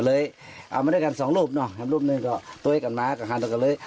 เอามาด้วยกันสองรูปเนอะทำรูปหนึ่งก็ต้วยกันมากันคันตัวกันเลย